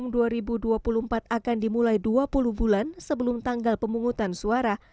anggaran pemilu akan dimulai dua puluh bulan sebelum tanggal pemungutan suara